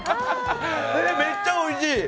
え、めっちゃおいしい！